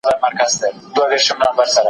صنعتي سکتور څنګه د کارکوونکو روزنه برابروي؟